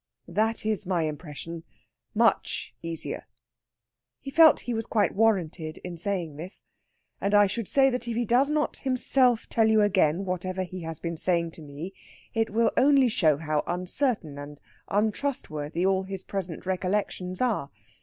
"That is my impression much easier." He felt he was quite warranted in saying this. "And I should say that if he does not himself tell you again whatever he has been saying to me, it will only show how uncertain and untrustworthy all his present recollections are.